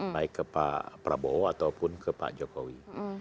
baik ke pak prabowo ataupun ke pak jokowi